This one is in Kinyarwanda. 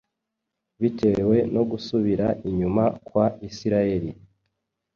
bitewe no gusubira inyuma kwa Isirayeli.